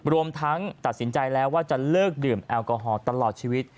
รวมทั้งตัดสินใจแล้วว่าจะเลิกดื่มแอลกอฮอล์ตลอดชีวิต